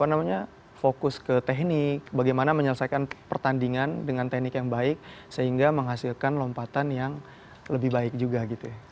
apa namanya fokus ke teknik bagaimana menyelesaikan pertandingan dengan teknik yang baik sehingga menghasilkan lompatan yang lebih baik juga gitu ya